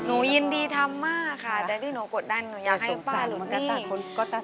หนูยินดีทำมากค่ะแต่ที่หนูกดดันหนูอยากให้ป้าหลุดนี่